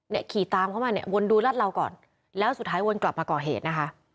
ขี่ตามเข้ามาเนี่ยวนดูรัดเราก่อนแล้วสุดท้ายวนกลับมาก่อเหตุนะคะ